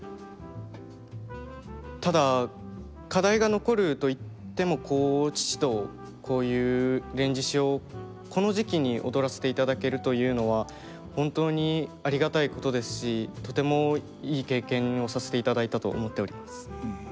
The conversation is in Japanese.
ただ課題が残ると言っても父とこういう「連獅子」をこの時期に踊らせていただけるというのは本当にありがたいことですしとてもいい経験をさせていただいたと思っております。